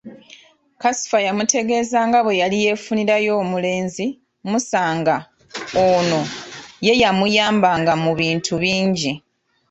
Kasifa yamutegeeza nga bwe yali yeefunirayo omulenzi Musa nga ono ye yamuyambanga mu bintu ebimu.